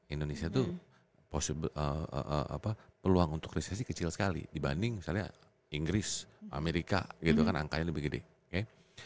indonesia tuh peluang untuk resesi kecil sekali dibanding misalnya inggris amerika gitu kan angkanya lebih gede